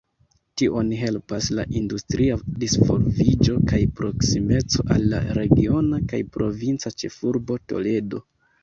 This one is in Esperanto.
Tion helpas la industria disvolviĝo kaj proksimeco al la regiona kaj provinca ĉefurbo Toledo.